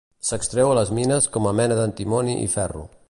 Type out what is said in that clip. S'extreu a les mines com a mena d'antimoni i ferro.